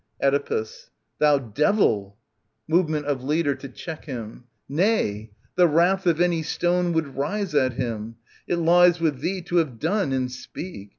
Oedipus. Thou devil I [Movement «/" Leader to check himX Nay ; the wrath of any stone Would rise at him. It lies with thee to have done And speak.